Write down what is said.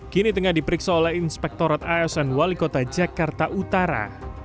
kini tengah diperiksa oleh inspektorat asn wali kota jakarta utara